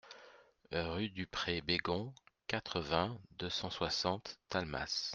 Rue du Pré Bégond, quatre-vingts, deux cent soixante Talmas